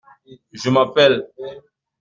Je m’appelle…